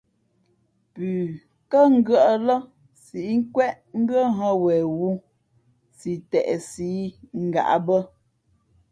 Pʉ kά ngʉ̄ᾱʼ lά síʼ nkwén mbʉ́ά hα wen wū si teʼsǐ ngaʼ bᾱ.